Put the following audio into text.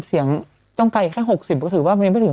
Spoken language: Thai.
ส่วนที่ถูกครอบครอง